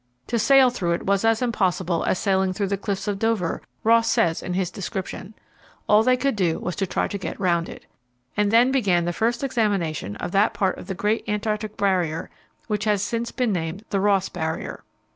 To sail through it was as impossible as sailing through the cliffs of Dover, Ross says in his description. All they could do was to try to get round it. And then began the first examination of that part of the great Antarctic Barrier which has since been named the Ross Barrier.